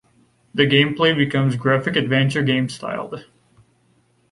The gameplay becomes graphic adventure game styled.